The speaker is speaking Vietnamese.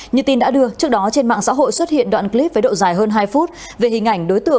như tin đã đưa trước đó trên mạng xã hội xuất hiện đoạn clip với độ dài hơn hai phút